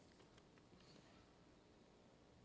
untuk ini tentu saja diperlukan kepentingan daerah